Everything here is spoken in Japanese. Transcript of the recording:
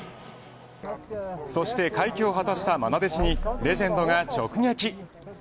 そして快挙を果たした愛弟子にレジェンドが直撃。